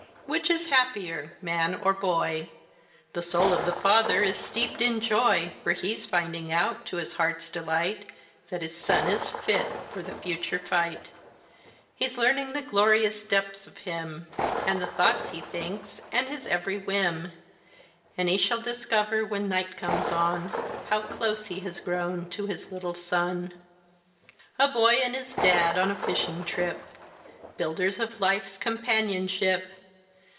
Which is happier, man or boy? The soul of the father is steeped in joy, For he's finding out, to his heart's delight, That his son is fit for the future fight. He is learning the glorious depths of him, And the thoughts he thinks and his every whim; And he shall discover, when night comes on, How close he has grown to his little son. [Illustration: "A Boy And His Dad" From a painting by M. L. BOWER.] A boy and his dad on a fishing trip Builders of life's companionship!